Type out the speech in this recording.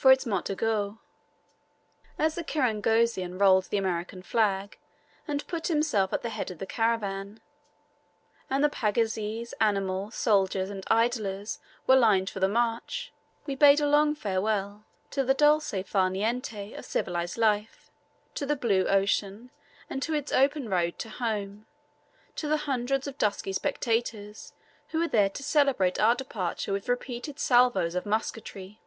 for its mot du guet. As the kirangozi unrolled the American flag, and put himself at the head of the caravan, and the pagazis, animals, soldiers, and idlers were lined for the march, we bade a long farewell to the dolce far niente of civilised life, to the blue ocean, and to its open road to home, to the hundreds of dusky spectators who were there to celebrate our departure with repeated salvoes of musketry.